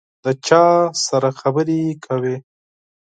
د چا سره خبري کوې ؟